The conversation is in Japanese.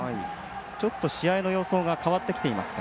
ちょっと試合の様相が変わってきてますか。